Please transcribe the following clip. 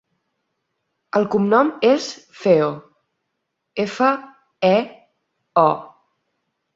El cognom és Feo: efa, e, o.